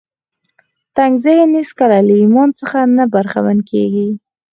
تنګ ذهن هېڅکله له ايمان څخه نه برخمن کېږي.